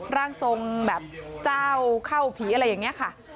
ร่างทรงแบบเจ้าเข้าผีอะไรอย่างนี้ค่ะ